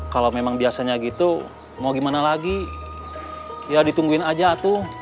kalau memang biasanya gitu mau gimana lagi ya ditungguin aja tuh